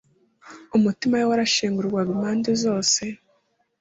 Umutima we warashengurwaga impande zose,